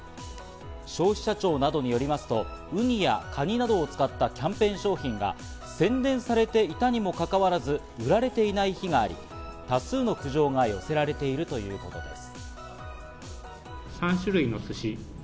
消費者庁などによりますと、ウニやカニなどを使ったキャンペーン商品が宣伝されていたにもかかわらず売られていない日があり、多数の苦情が寄せられているということです。